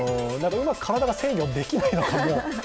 うまく体が制御できないのかな。